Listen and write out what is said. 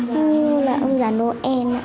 thôi là ông già noel